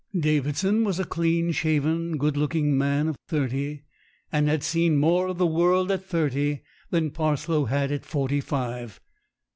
Davidson was a clean shaven, good looking man of thirty, and had seen more of the world at thirty than Parslow had at forty five.